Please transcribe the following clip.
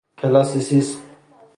کلاسیسیسم